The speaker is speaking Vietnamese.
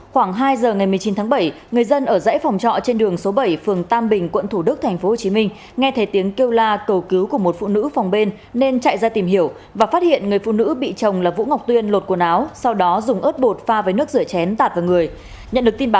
khoảng hai giờ ngày một mươi chín tháng bảy người dân ở dãy phòng trọ trên đường số bảy phường tam bình quận thủ đức tp hcm nghe thấy tiếng kêu la cầu cứu của một phụ nữ phòng bên nên chạy ra tìm hiểu và phát hiện người phụ nữ bị chồng là vũ ngọc tuyên lột quần áo sau đó dùng ớt bột pha với nước rửa chén tạt vào người